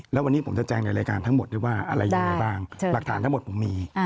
แล้ววันนี้ผมจะแจ้งในรายการทั้งหมดด้วยว่าอะไรยังไงบ้างหลักฐานทั้งหมดผมมี